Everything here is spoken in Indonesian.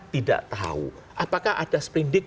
tidak tahu apakah ada spring dig